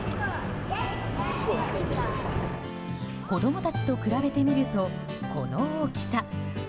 子供たちと比べてみるとこの大きさ。